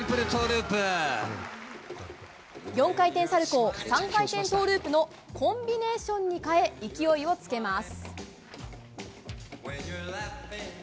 ４回転サルコウ３回転トウループのコンビネーションに変え勢いをつけます。